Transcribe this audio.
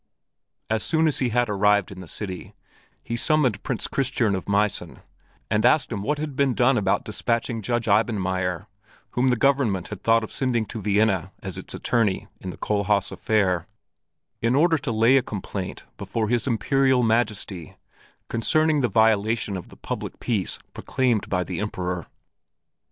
As soon as he had arrived in the city he summoned Prince Christiern of Meissen and asked him what had been done about dispatching Judge Eibenmaier, whom the government had thought of sending to Vienna as its attorney in the Kohlhaas affair, in order to lay a complaint before his Imperial Majesty concerning the violation of the public peace proclaimed by the Emperor.